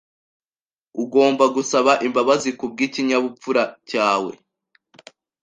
Ugomba gusaba imbabazi kubwikinyabupfura cyawe.